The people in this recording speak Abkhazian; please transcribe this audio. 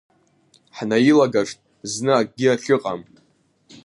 Ҳнаилагашт зны акгьы ахьыҟам…